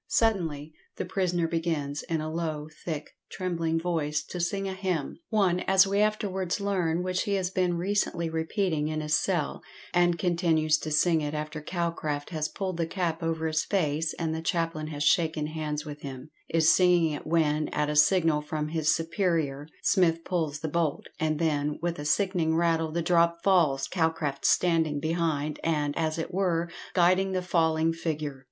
Suddenly the prisoner begins, in a low, thick, trembling voice, to sing a hymn one, as we afterwards learn, which he has been recently repeating in his cell and continues to sing it after Calcraft has pulled the cap over his face, and the chaplain has shaken hands with him is singing it when, at a signal from his superior, Smith pulls the bolt, and then, with a sickening rattle, the drop falls, Calcraft standing behind, and, as it were, guiding the falling figure.